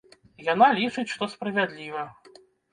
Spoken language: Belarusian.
Яна лічыць, што справядліва.